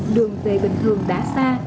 đường về bình thường đã xa